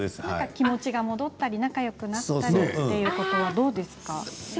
気持ちが戻ったり仲よくなったりというのはどうですか。